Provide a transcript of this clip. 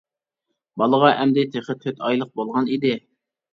بالىغا ئەمدى تېخى تۆت ئايلىق بولغان ئىدى.